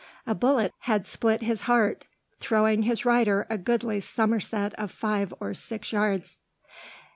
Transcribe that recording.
A bullet had split his heart, throwing his rider a goodly somerset of five or six yards.